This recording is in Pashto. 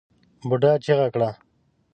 بوډا چيغه کړه!